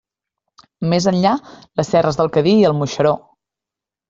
Més enllà, les serres del Cadí i el Moixeró.